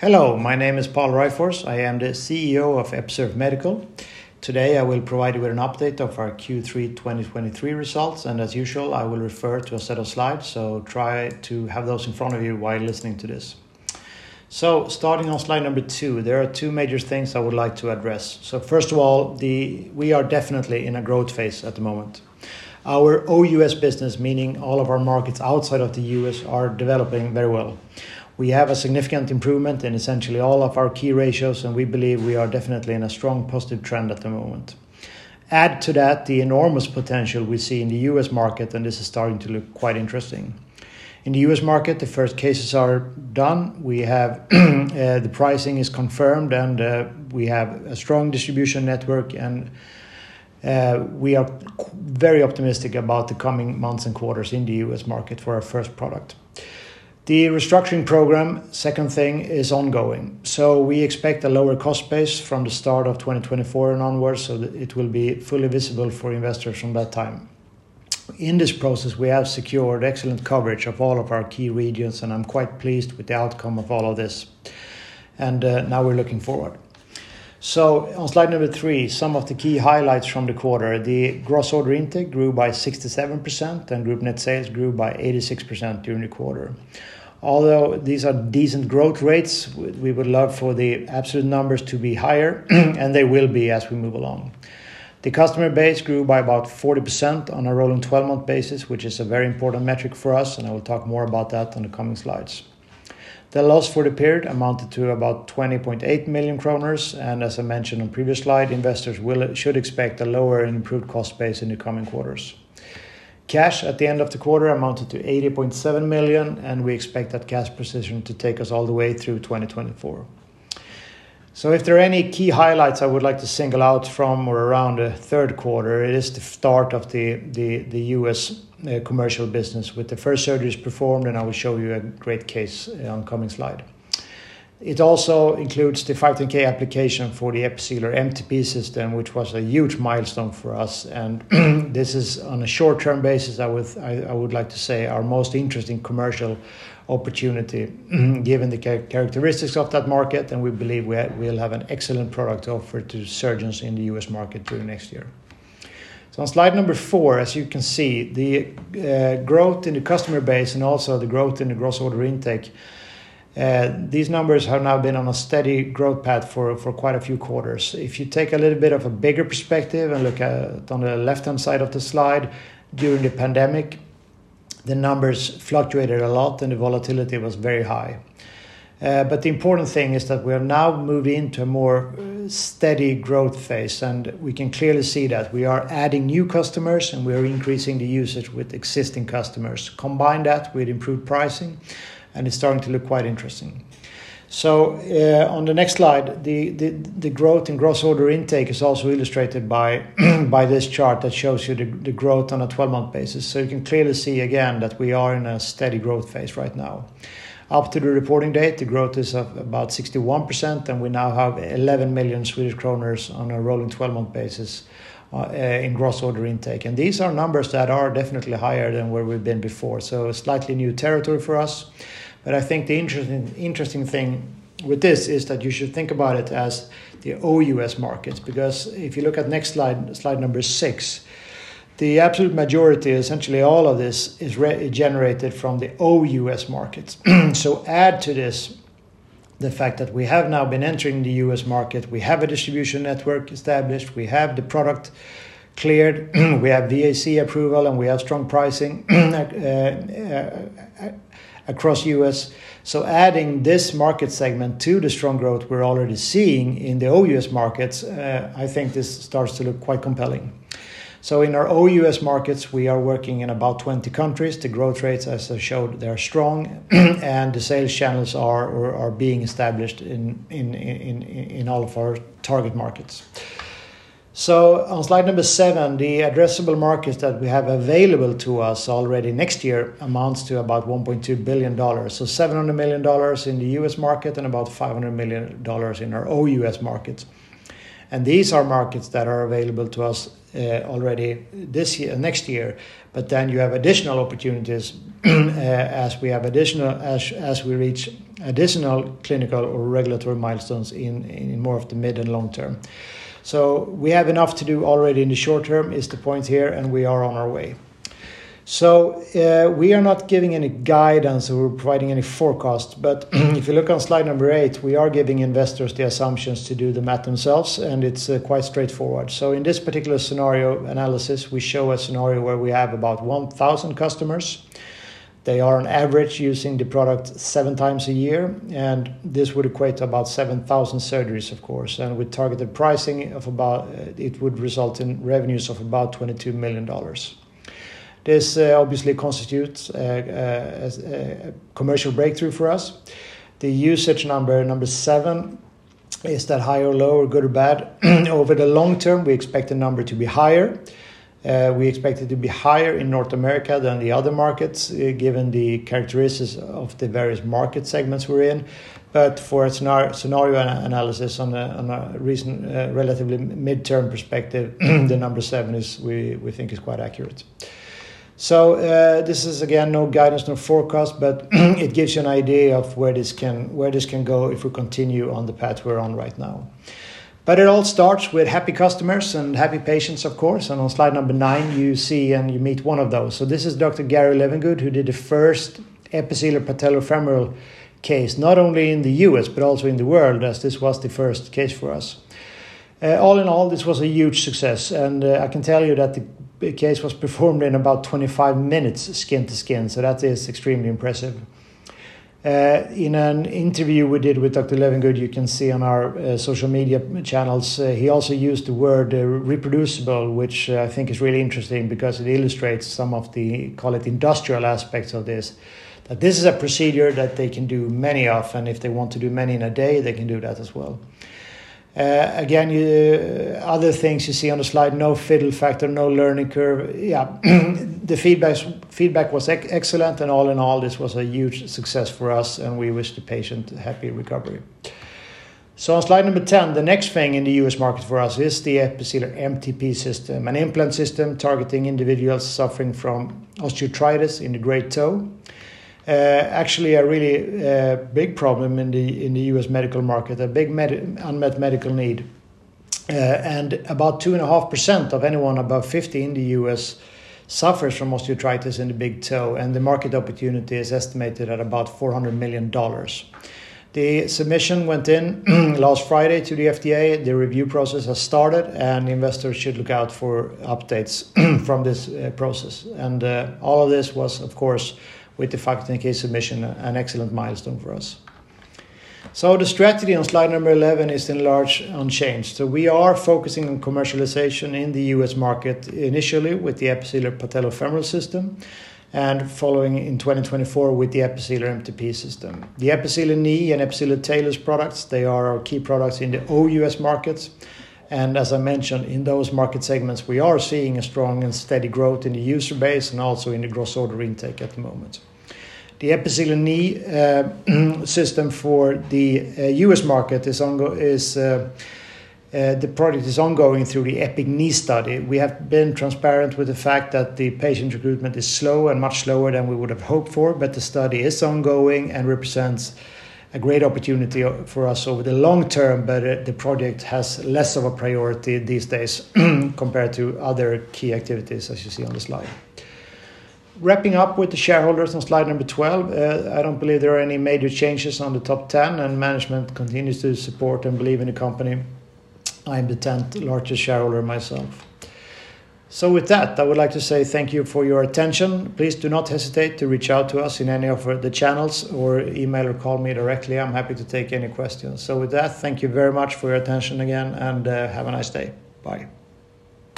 Hello, my name is Pål Ryfors. I am the CEO of Episurf Medical. Today, I will provide you with an update of our Q3 2023 results, and as usual, I will refer to a set of slides, so try to have those in front of you while listening to this. So starting on slide 2, there are two major things I would like to address. So first of all, we are definitely in a growth phase at the moment. Our OUS business, meaning all of our markets outside of the U.S., are developing very well. We have a significant improvement in essentially all of our key ratios, and we believe we are definitely in a strong positive trend at the moment. Add to that, the enormous potential we see in the U.S. market, and this is starting to look quite interesting. In the U.S. market, the first cases are done. We have, the pricing is confirmed, and, we have a strong distribution network, and, we are very optimistic about the coming months and quarters in the U.S. market for our first product. The restructuring program, second thing, is ongoing, so we expect a lower cost base from the start of 2024 and onwards, so it will be fully visible for investors from that time. In this process, we have secured excellent coverage of all of our key regions, and I'm quite pleased with the outcome of all of this. Now we're looking forward. On slide 3, some of the key highlights from the quarter. The Gross Order Intake grew by 67%, and group net sales grew by 86% during the quarter. Although these are decent growth rates, we would love for the absolute numbers to be higher, and they will be as we move along. The customer base grew by about 40% on a rolling twelve-month basis, which is a very important metric for us, and I will talk more about that in the coming slides. The loss for the period amounted to about 20.8 million kronor, and as I mentioned on previous slide, investors should expect a lower and improved cost base in the coming quarters. Cash at the end of the quarter amounted to 80.7 million, and we expect that cash position to take us all the way through 2024. So if there are any key highlights I would like to single out from or around the third quarter, it is the start of the U.S. commercial business, with the first surgeries performed, and I will show you a great case on coming slide. It also includes the 510(k) application for the Episealer MTP System, which was a huge milestone for us, and, this is on a short-term basis, I would like to say, our most interesting commercial opportunity, given the characteristics of that market, and we believe we'll have an excellent product to offer to surgeons in the U.S. market during next year. So on slide 4, as you can see, the growth in the customer base and also the growth in the gross order intake, these numbers have now been on a steady growth path for quite a few quarters. If you take a little bit of a bigger perspective and look at on the left-hand side of the slide, during the pandemic, the numbers fluctuated a lot, and the volatility was very high. But the important thing is that we have now moved into a more steady growth phase, and we can clearly see that we are adding new customers, and we are increasing the usage with existing customers. Combine that with improved pricing, and it's starting to look quite interesting. So, on the next slide, the growth in Gross Order Intake is also illustrated by this chart that shows you the growth on a 12-month basis. So you can clearly see again that we are in a steady growth phase right now. Up to the reporting date, the growth is of about 61%, and we now have 11 million Swedish kronor on a rolling 12-month basis in Gross Order Intake. And these are numbers that are definitely higher than where we've been before, so slightly new territory for us. But I think the interesting thing with this is that you should think about it as the OUS markets, because if you look at next slide, slide 6, the absolute majority, essentially all of this, is generated from the OUS markets. So add to this, the fact that we have now been entering the U.S. market, we have a distribution network established, we have the product cleared, we have VAC approval, and we have strong pricing across the U.S. So adding this market segment to the strong growth we're already seeing in the OUS markets, I think this starts to look quite compelling. So in our OUS markets, we are working in about 20 countries. The growth rates, as I showed, they are strong, and the sales channels are being established in all of our target markets. So on slide 7, the addressable markets that we have available to us already next year amounts to about $1.2 billion. So $700 million in the U.S. market and about $500 million in our OUS markets. These are markets that are available to us, already this year... Next year. But then you have additional opportunities, as we reach additional clinical or regulatory milestones in more of the mid and long term. So we have enough to do already in the short term, is the point here, and we are on our way. So, we are not giving any guidance or providing any forecast, but, if you look on slide 8, we are giving investors the assumptions to do the math themselves, and it's quite straightforward. So in this particular scenario analysis, we show a scenario where we have about 1,000 customers. They are on average using the product 7x a year, and this would equate to about 7,000 surgeries, of course, and with targeted pricing of about, it would result in revenues of about $22 million. This, obviously constitutes a commercial breakthrough for us. The usage number, number seven, is that high or low or good or bad? Over the long term, we expect the number to be higher. We expect it to be higher in North America than the other markets, given the characteristics of the various market segments we're in. But for a scenario analysis on a recent, relatively mid-term perspective, the number seven is we think is quite accurate. So, this is, again, no guidance, no forecast, but it gives you an idea of where this can, where this can go if we continue on the path we're on right now. But it all starts with happy customers and happy patients, of course, and on slide 9, you see, and you meet one of those. So this is Dr. Gary Levengood, who did the first Episealer Patellofemoral case, not only in the U.S., but also in the world, as this was the first case for us. All in all, this was a huge success, and I can tell you that the case was performed in about 25 minutes, skin-to-skin, so that is extremely impressive. In an interview we did with Dr. Levengood, you can see on our social media channels, he also used the word reproducible, which I think is really interesting because it illustrates some of the quality industrial aspects of this. That this is a procedure that they can do many of, and if they want to do many in a day, they can do that as well. Again, other things you see on the slide, no fiddle factor, no learning curve. Yeah, the feedback was excellent, and all in all, this was a huge success for us, and we wish the patient happy recovery. So on slide 10, the next thing in the U.S. market for us is the Episealer MTP System, an implant system targeting individuals suffering from osteoarthritis in the great toe. Actually, a really big problem in the U.S. medical market, a big unmet medical need. And about 2.5% of anyone above 50 in the U.S. suffers from osteoarthritis in the big toe, and the market opportunity is estimated at about $400 million. The submission went in last Friday to the FDA. The review process has started, and the investors should look out for updates from this process. All of this was, of course, with the 510(k) submission, an excellent milestone for us. So the strategy on slide 11 is largely unchanged. So we are focusing on commercialization in the U.S. market, initially with the Episealer Patellofemoral System, and following in 2024 with the Episealer MTP System. The Episealer Knee and Episealer Talus products, they are our key products in the OUS markets, and as I mentioned, in those market segments, we are seeing a strong and steady growth in the user base and also in the Gross Order Intake at the moment. The Episealer Knee system for the U.S. market is ongoing, the project is ongoing through the EPIC-Knee study. We have been transparent with the fact that the patient recruitment is slow and much slower than we would have hoped for, but the study is ongoing and represents a great opportunity for us over the long term, but the project has less of a priority these days compared to other key activities, as you see on the slide. Wrapping up with the shareholders on slide 12, I don't believe there are any major changes on the top 10, and management continues to support and believe in the company. I am the tenth largest shareholder myself. So with that, I would like to say thank you for your attention. Please do not hesitate to reach out to us in any of the channels, or email or call me directly. I'm happy to take any questions. So with that, thank you very much for your attention again, and have a nice day. Bye.